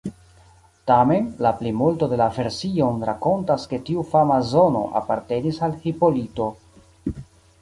Tamen, la plimulto de la version rakontas ke tiu fama zono apartenis al Hipolito.